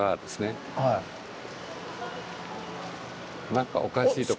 なんかおかしいとこ。